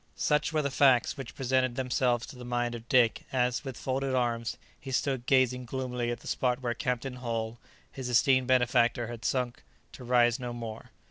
Such were the facts which presented themselves to the mind of Dick as, with folded arms, he stood gazing gloomily at the spot where Captain Hull, his esteemed benefactor, had sunk to rise no more.